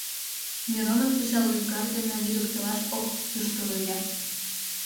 Миронов пычал ӱзгар дене лӱдыктылаш ок кӱштӧ ыле.